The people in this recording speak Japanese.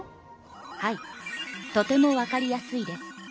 はいとてもわかりやすいです。